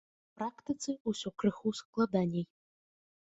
На практыцы ўсё крыху складаней.